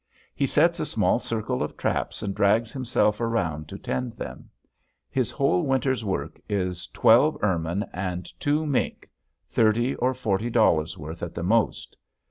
He sets a small circle of traps and drags himself around to tend them. His whole winter's work is twelve ermine and two mink thirty or forty dollars' worth at the most.